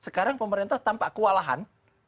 sekarang pemerintah tampak kewalahan